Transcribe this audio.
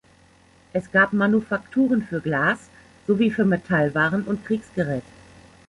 Es gab Manufakturen für Glas sowie für Metallwaren und Kriegsgerät.